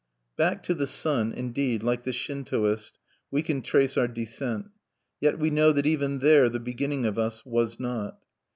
Back to the Sun, indeed, like the Shintoist, we can trace our descent; yet we know that even there the beginning of us was not.